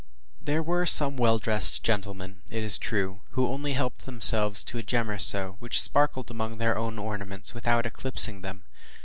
There were some well dressed gentlemen, it is true, who only helped themselves to a gem or so, which sparkled among their own ornaments, without eclipsing them.